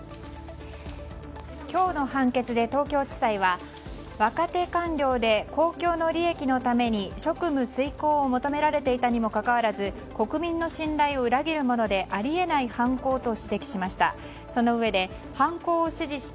今日の判決で東京地裁は若手官僚で公共の利益のために職務遂行を求められていたにもかかわらず国民の信頼を裏切るものであり得ない犯行と指摘しました。